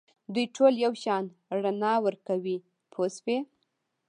دوی ټول یو شان رڼا ورکوي پوه شوې!.